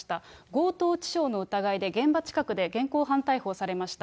強盗致傷の疑いで現場近くで現行犯逮捕されました。